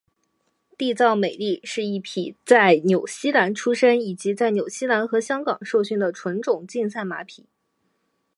缔造美丽是一匹在纽西兰出生以及在纽西兰和香港受训的纯种竞赛马匹。